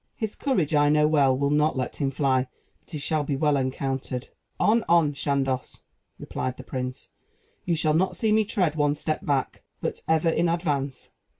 His courage, I know well, will not let him fly; but he shall be well encountered." "On! on! Chandos," replied the prince, "you shall not see me tread one step back, but ever in advance.